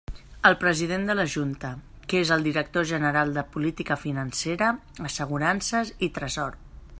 El president de la Junta, que és el director general de Política Financera, Assegurances i Tresor.